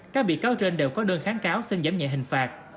các bị cáo trên đều có đơn kháng cáo xin giảm nhẹ hình phạt